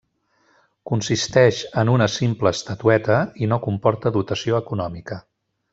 Consisteix en una simple estatueta i no comporta dotació econòmica.